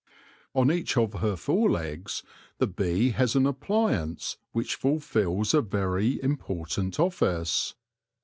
On each of her fore legs the bee has an appliance which fulfils a very important office.